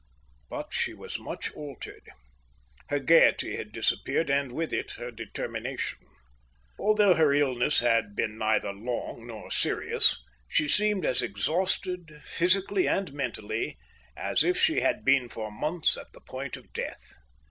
But she was much altered. Her gaiety had disappeared and with it her determination. Although her illness had been neither long nor serious, she seemed as exhausted, physically and mentally, as if she had been for months at the point of death.